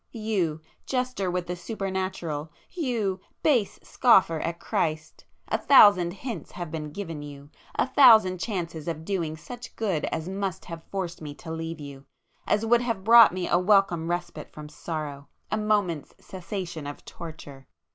You,—jester with the Supernatural!—you,—base scoffer at Christ! A thousand hints have been given you,—a thousand chances of doing such good as must have forced me to leave you,—as would have brought me a welcome respite from sorrow,—a moment's cessation of torture!"